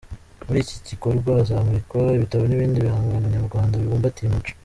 Muri iki gikorwa hazamurikwa ibitabo n’ibindi bihangano Nyarwanda bibumbatiye umuco.